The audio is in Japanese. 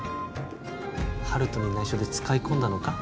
温人に内緒で使い込んだのか？